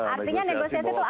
artinya negosiasi itu apa